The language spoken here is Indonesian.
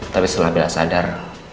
tapi setelah bella sadar